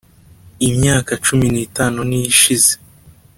imyaka cumi n ‘itanu niyo ishize.